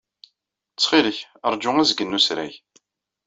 Ttxil-k, ṛju azgen n usrag.